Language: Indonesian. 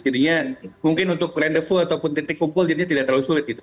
jadinya mungkin untuk rendofful ataupun titik kumpul jadinya tidak terlalu sulit gitu